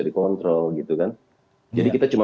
dikontrol gitu kan jadi kita cuma